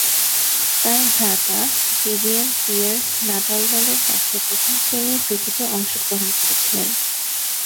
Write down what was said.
তার ভ্রাতা Vivian Pearce Natal দলের পক্ষে প্রথম-শ্রেণীর ক্রিকেটে অংশগ্রহণ করেছিলেন।